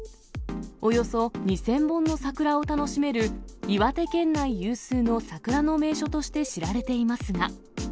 およそ２０００本の桜を楽しめる、岩手県内有数の桜の名所として知られていますが。